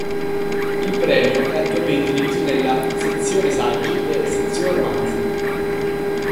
Il premio è attualmente diviso nella "sezione saggi" e "sezione romanzi".